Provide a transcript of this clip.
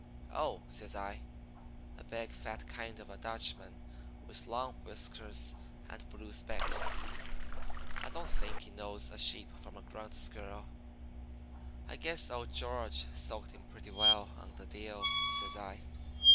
"'Oh,' says I, 'a big, fat kind of a Dutchman with long whiskers and blue specs. I don't think he knows a sheep from a ground squirrel. I guess old George soaked him pretty well on the deal,' says I.